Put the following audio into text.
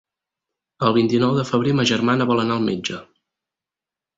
El vint-i-nou de febrer ma germana vol anar al metge.